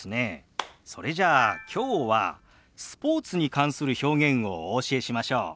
それじゃあきょうはスポーツに関する表現をお教えしましょう。